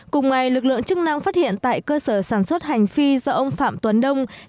cùng ngày lực lượng chức năng phát hiện tại cơ sở sản xuất hành phi do ông phạm tuấn đông